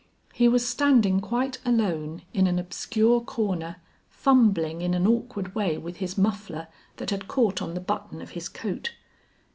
He was standing quite alone in an obscure corner, fumbling in an awkward way with his muffler that had caught on the button of his coat.